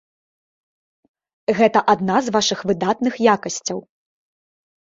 Гэта адна з вашых выдатных якасцяў.